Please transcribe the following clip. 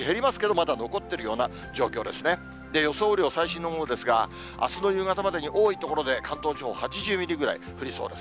雨量、最新のものですが、あすの夕方までに、多い所で関東地方８０ミリぐらい降りそうです。